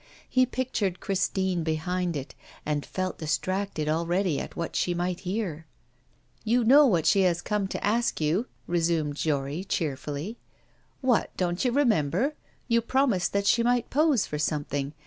He pictured Christine behind it, and felt distracted already at what she might hear. 'You know what she has come to ask of you?' resumed Jory cheerfully. 'What, don't you remember? You promised that she might pose for something.